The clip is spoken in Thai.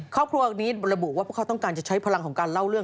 ครอบครัวนี้ระบุว่าพวกเขาต้องการจะใช้พลังของการเล่าเรื่อง